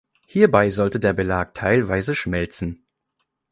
Hierbei soll der Belag teilweise schmelzen.